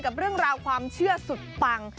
กับเรื่องราวความเชื่อสุดปัง